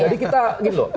jadi kita gitu loh